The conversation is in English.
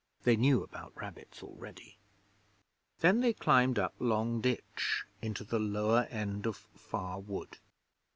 They knew about rabbits already. Then they climbed up Long Ditch into the lower end of Far Wood.